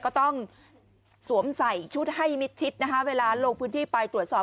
ก็ต้องสวมใส่ชุดให้มิดชิดนะคะเวลาลงพื้นที่ไปตรวจสอบ